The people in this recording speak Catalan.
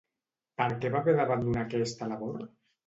Per què va haver d'abandonar aquesta labor?